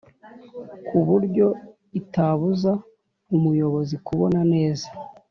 kuburyo itabuza umuyobozi kubona neza